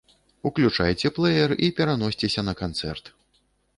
Уключайце плэер і пераносьцеся на канцэрт.